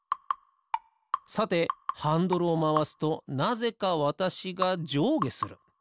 さてハンドルをまわすとなぜかわたしがじょうげする。